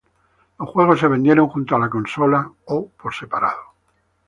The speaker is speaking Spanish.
Los juegos se vendieron junto a la consola o por separado.